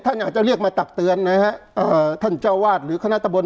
ท่านอาจจะเรียกมาตักเตือนนะฮะเอ่อท่านเจ้าวาดหรือคณะตะบน